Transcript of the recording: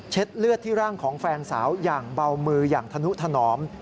เลือดที่ร่างของแฟนสาวอย่างเบามืออย่างธนุถนอม